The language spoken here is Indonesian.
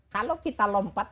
kalau kita lompat